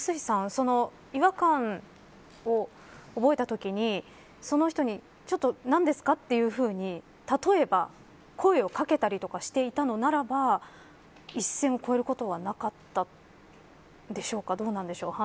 その違和感を覚えたときにその人に何ですかというふうに例えば声をかけたりとかしてたのならば一線を越えることはなかったでしょうか、どうなんでしょうか